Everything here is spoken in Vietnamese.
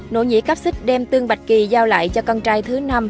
nội nhị cáp xích đem tương bạch kỳ giao lại cho con trai thứ năm